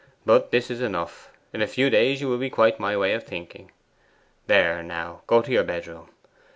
But this is enough; in a few days you will be quite my way of thinking. There, now, go to your bedroom.